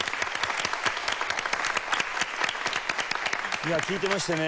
いやあ聴いてましてね